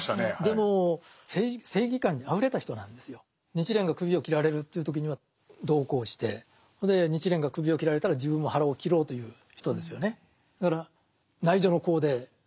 日蓮が首を斬られるという時には同行してそれで日蓮が首を斬られたら自分も腹を切ろうという人ですよね。